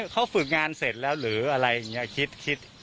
เขาฝึกงานเสร็จแล้วหรืออะไรอย่างนี้คิด